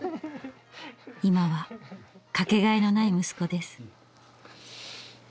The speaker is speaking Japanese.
今は掛けがえのない息子です。